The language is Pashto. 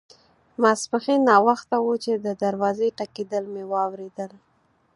ماپښین ناوخته وو چې د دروازې ټکېدل مې واوریدل.